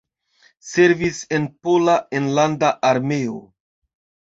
Servis en Pola Enlanda Armeo.